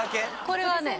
これはね。